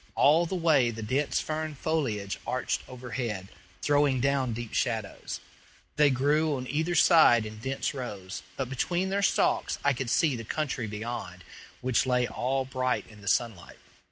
All the way the dense fern foliage arched overhead, throwing down deep shadows. They grew on either side in dense rows, but between their stalks I could see the country beyond, which lay all bright in the sunlight.